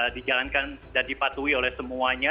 dijalankan dan dipatuhi oleh semuanya